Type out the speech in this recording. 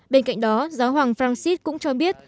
bên cạnh đó giáo hoàng francis cũng cho biết